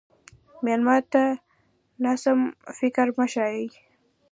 مېلمه ته ناسم فکر مه ښیه.